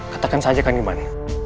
katakan saja kan iman